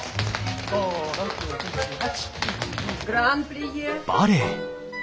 ５６７８。